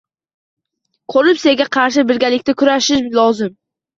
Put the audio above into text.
Korrupsiyaga qarshi birgalikda kurashish lozim